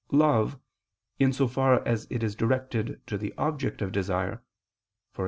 Love, in so far as it is directed to the object of desire (e.g.